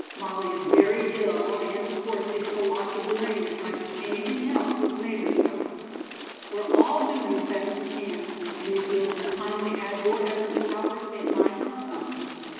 Molly is very ill, and, of course, it's the loss of the ring as much as anything else that's made her so. We're all doing the best we can, and if you'll just kindly add your efforts to ours, it might help some."